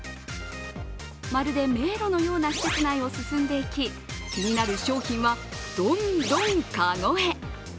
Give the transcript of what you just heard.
まるで迷路のような施設内を進んでいき気になる商品はどんどん籠へ。